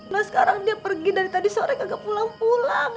nah sekarang dia pergi dari tadi sore kagak pulang pulang